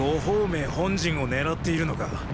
呉鳳明本陣を狙っているのか！